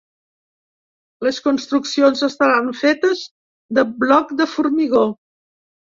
Les construccions estaran fetes de bloc de formigó.